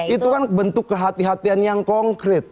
itu kan bentuk kehatian yang konkret